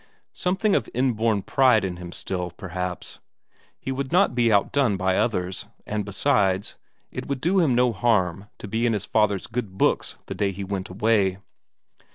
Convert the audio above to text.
Something of inborn pride in him still, perhaps; he would not be outdone by others; and besides, it would do him no harm to be in his father's good books the day he went away.